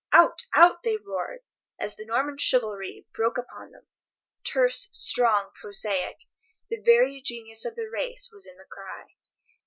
"Out! Out!" they roared, as the Norman chivalry broke upon them. Terse, strong, prosaic—the very genius of the race was in the cry.